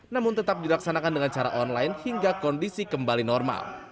namun tetap dilaksanakan dengan cara online hingga kondisi kembali normal